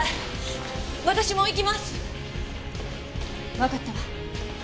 わかったわ。